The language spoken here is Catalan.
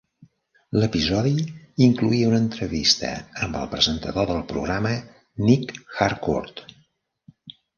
L'episodi incloïa una entrevista amb el presentador del programa, Nic Harcourt.